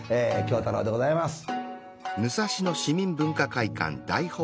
喬太郎でございます。